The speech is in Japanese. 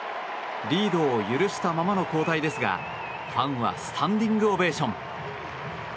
リードを許したままの交代ですがファンはスタンディングオベーション。